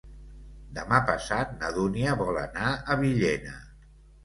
Demà passat na Dúnia vol anar a Villena.